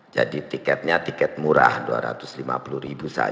jadi tiketnya tiket murah rp dua ratus lima puluh saja kita jual